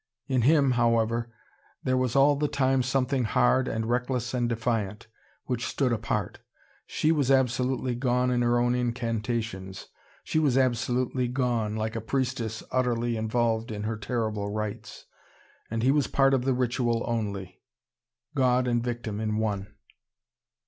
In him, however, there was all the time something hard and reckless and defiant, which stood apart. She was absolutely gone in her own incantations. She was absolutely gone, like a priestess utterly involved in her terrible rites. And he was part of the ritual only, God and victim in one.